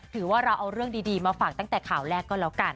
ถือว่าเราเอาเรื่องดีมาฝากตั้งแต่ข่าวแรกก็แล้วกัน